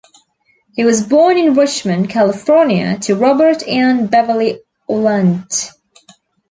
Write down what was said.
He was born in Richmond, California to Robert and Beverly Olandt.